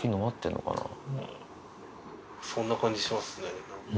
そんな感じしますね。